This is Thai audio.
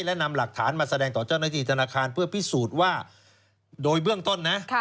และนำหลักฐานมาแสดงต่อเจ้าหน้าที่ธนาคารเพื่อพิสูจน์ว่าโดยเบื้องต้นนะ